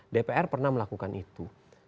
dpr pernah melakukan itu